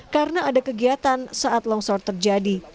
karena ada kegiatan saat longsor terjadi